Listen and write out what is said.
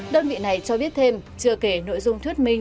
đơn vị này cho biết thêm chưa kể nội dung thuyết minh